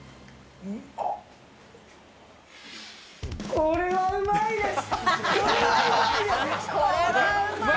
これはうまいです！